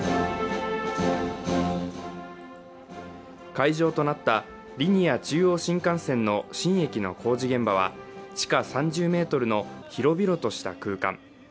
会場となったリニア中央新幹線の新駅の工事現場は地下３０ｍの広々とした空間。